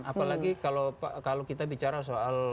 apalagi kalau kita bicara soal